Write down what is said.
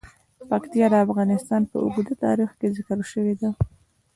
پکتیا د افغانستان په اوږده تاریخ کې ذکر شوی دی.